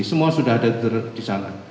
semua sudah ada di sana